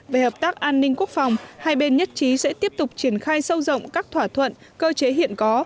về hợp tác an ninh quốc phòng hai bên nhất trí sẽ tiếp tục triển khai sâu rộng các thỏa thuận cơ chế hiện có